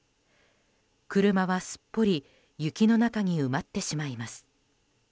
車はすっぽり雪の中に埋まってしまいます。